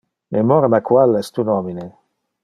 Memora me qual es tu nomine?